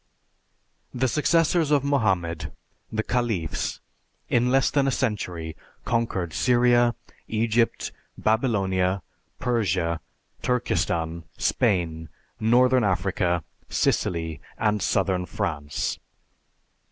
The successors of Mohammed, the Caliphs, in less than a century conquered Syria, Egypt, Babylonia, Persia, Turkestan, Spain, Northern Africa, Sicily, and Southern France.